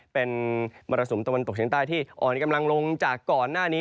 เป็นมรสุมตะวันตกเฉียงใต้ที่อ่อนกำลังลงจากก่อนหน้านี้